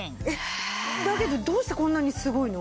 だけどどうしてこんなにすごいの？